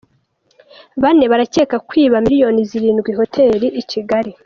Bane barakekwa kwiba miliyoni zirindwi hoteri ikigali